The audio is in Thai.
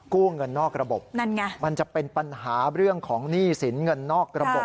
กู้เงินนอกระบบนั่นไงมันจะเป็นปัญหาเรื่องของหนี้สินเงินนอกระบบ